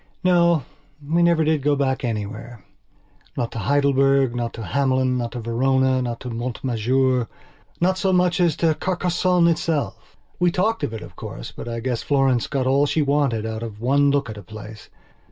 No, we never did go back anywhere. Not to Heidelberg, not to Hamelin, not to Verona, not to Mont Majournot so much as to Carcassonne itself. We talked of it, of course, but I guess Florence got all she wanted out of one look at a place.